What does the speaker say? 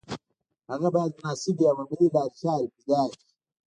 هغه باید مناسبې او عملي لارې چارې پیدا کړي